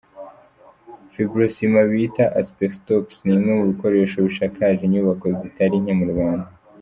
Fibrocement bita asibesitosi ni imwe mu bikoresho bisakaje inyubako zitari nke mu Rwanda.